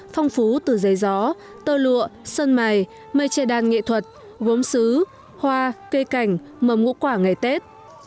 phong phú từ giấy gió tơ lụa sơn mài mây che đan nghệ thuật gốm xứ hoa cây cảnh mầm ngũ quả ngày tết